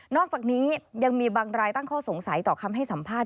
อกจากนี้ยังมีบางรายตั้งข้อสงสัยต่อคำให้สัมภาษณ์